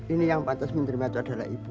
ini yang pantas menerima itu adalah ibu